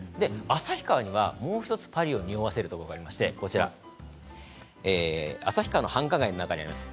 旭川にはもう１つパリをにおわせるところがありまして旭川の繁華街の中にあります